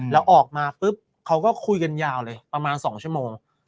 แล้วออกมาปุ๊บเขาก็คุยกันยาวเลยประมาณ๒ชั่วโมง